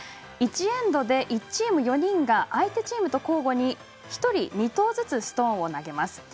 １エンドで１チーム４人が相手チームと交互に１人２投ずつストーンを投げます。